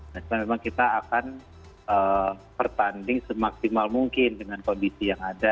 nah memang kita akan pertanding semaksimal mungkin dengan kondisi yang ada